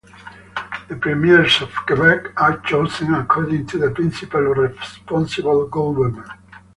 The Premiers of Quebec are chosen according to the principle of responsible government.